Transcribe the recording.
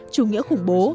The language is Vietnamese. chủ nghĩa khủng bố